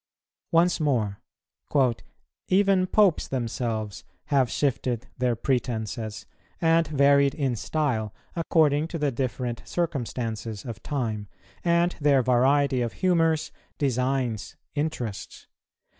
Once more: "Even Popes themselves have shifted their pretences, and varied in style, according to the different circumstances of time, and their variety of humours, designs, interests.